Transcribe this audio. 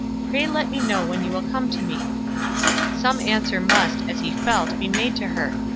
Pray let me know when you will come to me." Some answer must, as he felt, be made to her.